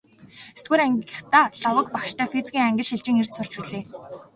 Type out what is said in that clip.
Есдүгээр ангидаа Лхагва багштай физикийн ангид шилжин ирж сурч билээ.